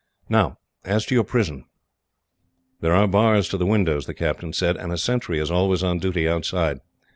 Now, as to your prison." "There are bars to the windows," the captain said, "and a sentry is always on duty outside.